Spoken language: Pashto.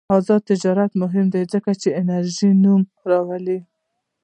آزاد تجارت مهم دی ځکه چې انرژي نوې راوړي.